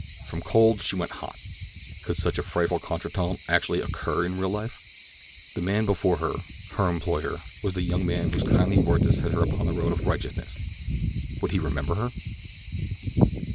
From cold she went hot. Could such a frightful contretemps actually occur in real life? The man before her—her employer—was the young man whose kindly words had set her upon the road of righteousness! Would he remember her?